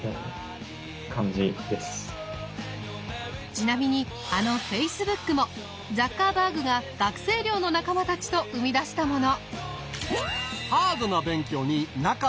ちなみにあのフェイスブックもザッカーバーグが学生寮の仲間たちと生み出したもの。